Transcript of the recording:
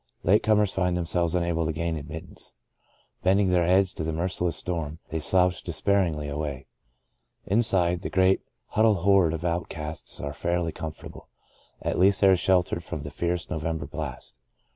Late comers find themselves unable to gain admittance. Bending their heads to the merciless storm, they slouch despairingly away. Inside, the great, huddled horde of outcasts are fairly comfortable — at least they are sheltered from the fierce November blast.